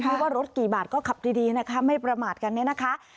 ว่ารถกี่บาทก็ขับดีนะคะไม่ประมาทกันเนี่ยนะคะ